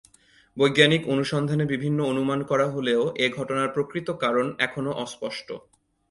বৈজ্ঞানিক অনুসন্ধানে বিভিন্ন অনুমান করা হলেও এ ঘটনার প্রকৃত কারণ এখনও অস্পষ্ট।